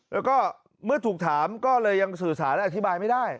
แล้วก็เมื่อถูกถามก็เลยยังสื่อสารและอธิบายไม่ได้